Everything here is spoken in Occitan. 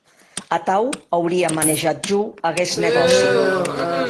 Atau auria manejat jo aguest negòci.